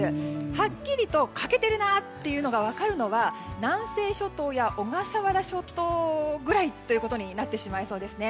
はっきりと欠けてるなっていうのが分かるのは南西諸島や小笠原諸島ぐらいとなりそうです。